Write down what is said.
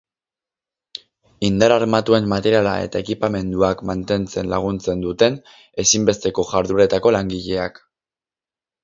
Indar armatuen materiala eta ekipamenduak mantentzen laguntzen duten ezinbesteko jardueretako langileak.